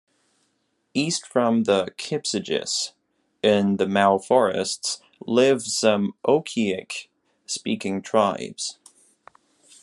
East from the Kipsigis, in the Mau forests, live some Okiek speaking tribes.